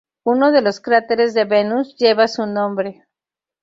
Uno de los cráteres de Venus lleva su nombre.